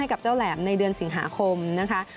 กับเจ้าแหลมในเดือนสิงหาคมนะคะ